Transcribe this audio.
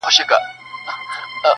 نه درک مي د مالونو نه دوکان سته.!